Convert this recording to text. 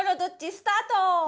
スタート！